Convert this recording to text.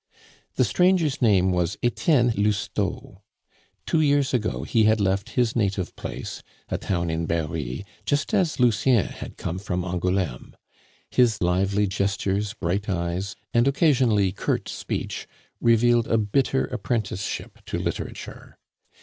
The stranger's name was Etienne Lousteau. Two years ago he had left his native place, a town in Berri, just as Lucien had come from Angouleme. His lively gestures, bright eyes, and occasionally curt speech revealed a bitter apprenticeship to literature.